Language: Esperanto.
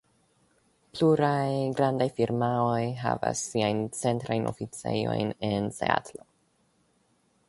Pluraj grandaj firmaoj havas siajn centrajn oficejojn en Seatlo.